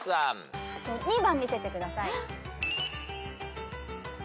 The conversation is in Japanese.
２番見せてください。